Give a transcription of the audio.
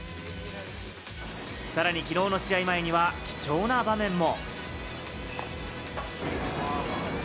さらに、きのうの試合前には貴重な場面も。